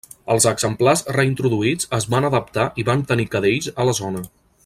Els exemplars reintroduïts es van adaptar i van tenir cadells a la zona.